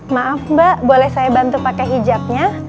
maaf mbak boleh saya bantu pakai hijabnya